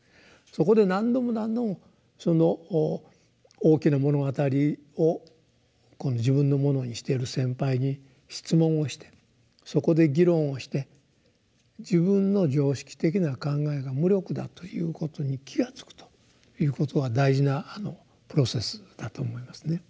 そこで何度も何度もその「大きな物語」を自分のものにしている先輩に質問をしてそこで議論をして自分の常識的な考えが無力だということに気が付くということは大事なプロセスだと思いますね。